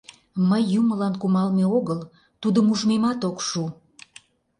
Мый юмылан кумалме огыл, тудым ужмемат ок шу...